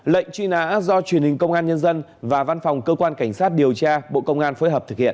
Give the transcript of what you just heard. lệnh truy nã do truyền hình công an nhân dân và văn phòng cơ quan cảnh sát điều tra bộ công an phối hợp thực hiện